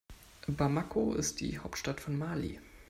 Bamako ist die Hauptstadt von Mali.